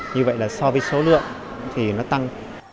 như vậy là so với số lượng thì nó tăng